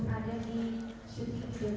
pada waktu itu